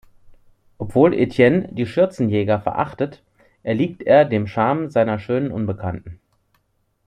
Obwohl Étienne die Schürzenjäger verachtet, erliegt er dem Charme seiner schönen Unbekannten.